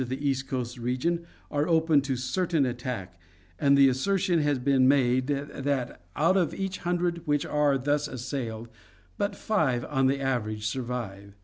the East Coast region are open to certain attack, and the assertion has been made that out of each hundred which are thus assailed but five on the average survive.